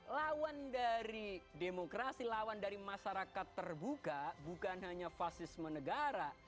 lawan dari demokrasi lawan dari masyarakat terbuka bukan hanya fasisme negara